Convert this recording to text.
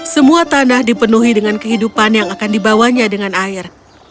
semua tanah dipenuhi dengan kehidupan yang akan dibawanya dengan air